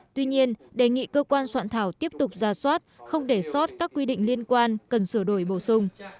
tuy nhiên đề nghị cơ quan soạn thảo tiếp tục ra soát không để sót các quy định liên quan cần sửa đổi bổ sung